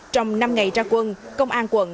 trong năm ngày ra quân công an quận